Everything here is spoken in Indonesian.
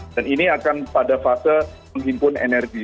dan ini akan pada fase menghimpun energi